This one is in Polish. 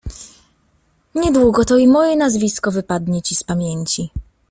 — Niedługo to i moje nazwisko wypadnie ci z pamięci!